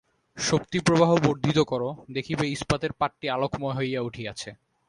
শক্তিপ্রবাহ বর্ধিত কর, দেখিবে ইস্পাতের পাতটি আলোকময় হইয়া উঠিয়াছে।